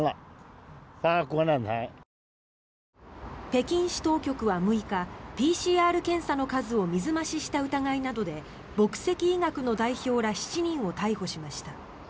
北京市当局は６日ＰＣＲ検査の数を水増しした疑いなどで朴石医学の代表ら７人を逮捕しました。